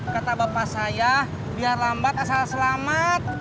kata bapak saya biar lambat asal selamat